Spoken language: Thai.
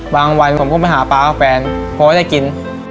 บางวันผมก็ไปหาป๊ากับแฟนเพราะว่าได้กิน